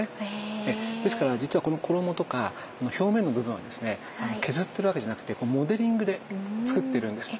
ですから実はこの衣とか表面の部分はですね削ってるわけじゃなくてモデリングでつくってるんです。